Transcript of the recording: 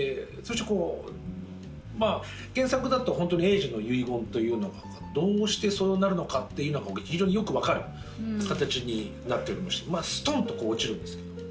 こう原作だとホントに栄治の遺言というのがどうしてそうなるのかっていうのが非常によく分かる形になっておりましてストンと落ちるんですけど。